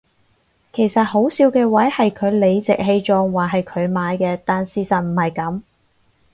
其實好笑嘅位係佢理直氣壯話係佢買嘅但事實唔係噉